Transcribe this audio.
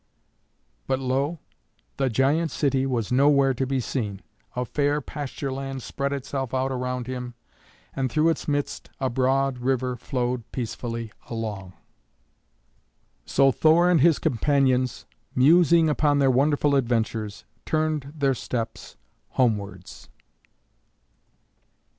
But lo! the giant city was nowhere to be seen. A fair pasture land spread itself out around him, and through its midst a broad river flowed peacefully along. So Thor and his companions, musing upon their wonderful adventures, turned their steps homewards.